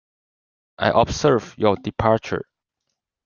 I observed your departure.